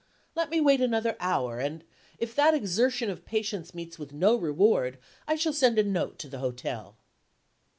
Let me wait another hour, and, if that exertion of patience meets with no reward, I shall send a note to the hotel.